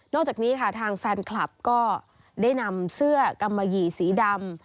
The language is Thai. จากนี้ค่ะทางแฟนคลับก็ได้นำเสื้อกัมมะหยี่สีดำ